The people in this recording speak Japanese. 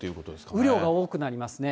雨量が多くなりますね。